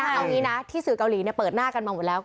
เอางี้นะที่สื่อเกาหลีเปิดหน้ากันมาหมดแล้ว